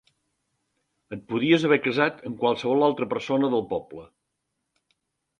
Et podies haver casat amb qualsevol altra persona del poble.